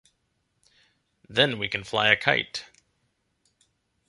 Then we can fly a kite.